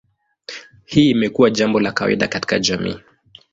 Hii imekuwa jambo la kawaida katika jamii.